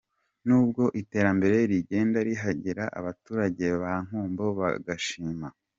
Nubwo iterambere rigenda rihagera abaturage ba Nkombo bagashima .